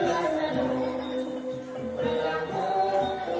การทีลงเพลงสะดวกเพื่อความชุมภูมิของชาวไทยรักไทย